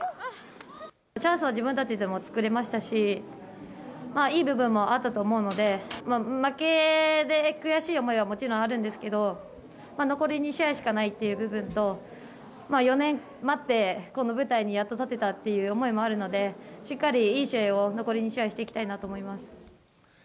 チャンスは自分たちでも作れましたし、いい部分もあったと思うので、負けで悔しい思いはもちろんあるんですけど、残り２試合しかないっていう部分と、４年待って、この舞台にやっと立てたっていう思いもあるので、しっかりいい試合を、残り２試合していきたいなと思います。